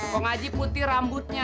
kok ngaji putih rambutnya